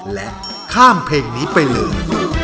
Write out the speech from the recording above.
และข้ามเพลงนี้ไปเลย